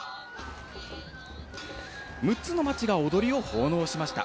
６つの町が踊りを奉納しました。